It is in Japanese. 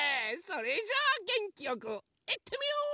それじゃあげんきよくいってみよう！